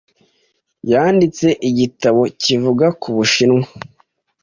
Yanditse igitabo kivuga ku Bushinwa.